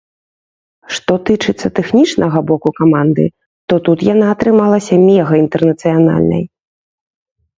Што тычыцца тэхнічнага боку каманды, то тут яна атрымалася мегаінтэрнацыянальнай.